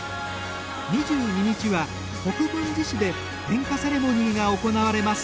２２日は国分寺市で点火セレモニーが行われます。